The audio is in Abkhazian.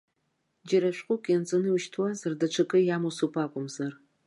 Џьара шәҟәык ианҵаны иушьҭуазар даҽакы иамусуп акәымзар.